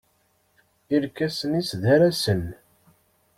Irkasen-is d arasen.